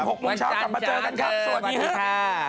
วันจันทร์๖โมงเช้ากลับมาเจอกันครับสวัสดีค่ะ